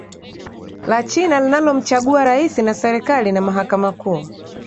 La China linalomchagua Rais na serikali na mhakama kuu